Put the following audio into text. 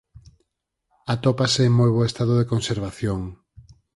Atópase en moi bo estado de conservación.